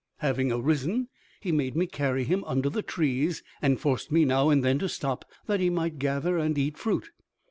Having arisen, he made me carry him under the trees, and forced me now and then to stop, that he might gather and eat fruit.